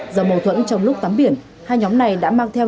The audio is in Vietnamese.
do mâu thuẫn trong lúc tắm biển hai nhóm này đã mang theo